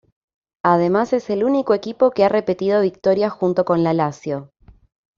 Además es el único equipo que ha repetido victoria junto con la Lazio.